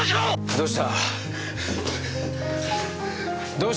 どうした？